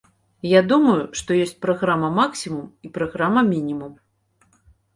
Я думаю, што ёсць праграма-максімум і праграма-мінімум.